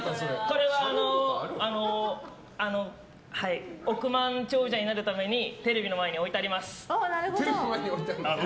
これは、億万長者になるためにテレビの前に置いてあります。